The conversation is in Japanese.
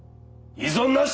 異存なし。